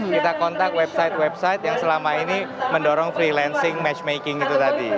kita kontak website website yang selama ini mendorong freelancing matchmaking itu tadi